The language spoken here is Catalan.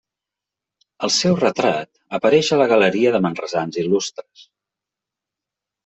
El seu retrat apareix a la Galeria de manresans il·lustres.